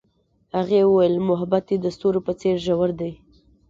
هغې وویل محبت یې د ستوري په څېر ژور دی.